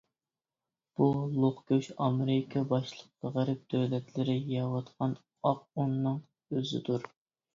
بۇ لوق گۆش ئامېرىكا باشلىق غەرب دۆلەتلىرى يەۋاتقان ئاق ئۇننىڭ ئۆزىدۇر.